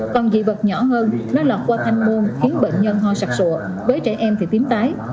còn dị vật nhỏ hơn nó lọt qua thanh môn khiến bệnh nhân ho sạc sụa với trẻ em thì tiếm tái